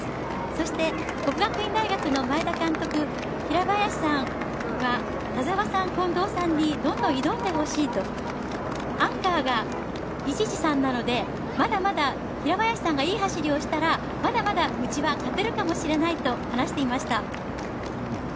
そして、國學院大學の前田監督平林さんは田澤さん、近藤さんにどんどん挑んでほしいとアンカーが伊地知さんなのでまだまだ平林さんがいい走りをしたらまだまだうちは勝てるかもしれないと話していました。